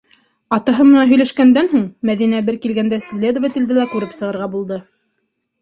Атаһы менән һөйләшкәндән һуң Мәҙинә бер килгәндә следователде лә күреп сығырға булды.